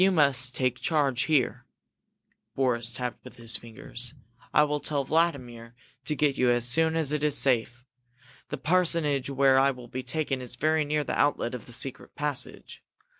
"You must take charge here," Boris tapped with his fingers. "I will tell Vladimir to get you as soon as it is safe. The parsonage where I will be taken is very near the outlet of the secret passage.